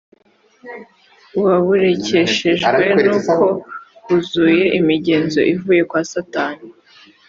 waburekeshejwe n uko buzuye imigenzo ivuye kwa satani